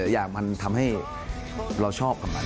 อย่างมันทำให้เราชอบกับมัน